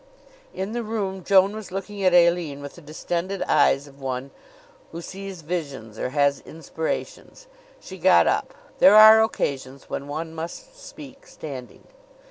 In the room Joan was looking at Aline with the distended eyes of one who sees visions or has inspirations. She got up. There are occasions when one must speak standing.